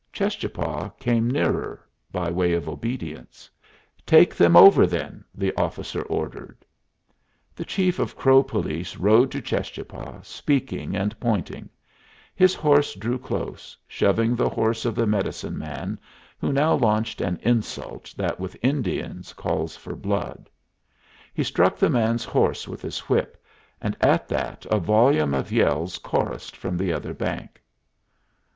Cheschapah came nearer, by way of obedience. "Take them over, then," the officer ordered. [Illustration: "HIS HORSE DREW CLOSE, SHOVING THE HORSE OF THE MEDICINE MAN"] The chief of Crow police rode to Cheschapah, speaking and pointing. His horse drew close, shoving the horse of the medicine man, who now launched an insult that with Indians calls for blood. He struck the man's horse with his whip, and at that a volume of yells chorussed from the other bank.